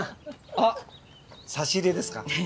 あっ差し入れですか？